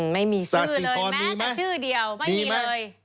ไม่มีสาธิธรณ์แต่ชื่อเดียวไม่มีเลยมีไหมมีไหม